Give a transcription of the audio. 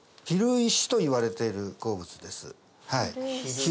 蛭石といわれている鉱物です。